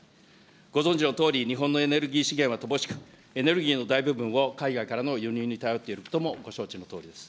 ご存じのとおり、日本のエネルギー資源は乏しく、エネルギーの大部分を海外からの輸入に頼っていることも、ご承知のとおりです。